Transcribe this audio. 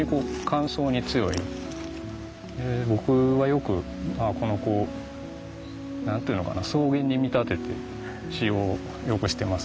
僕はよくこの子を何て言うのかな草原に見立てて使用をよくしてますね。